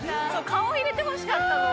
顔入れてほしかったの。